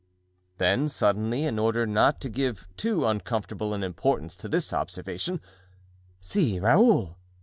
Then suddenly, in order not to give too uncomfortable an importance to this observation: "See, Raoul!"